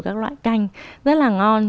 các loại canh rất là ngon